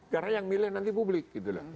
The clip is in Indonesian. karena yang milih nanti publik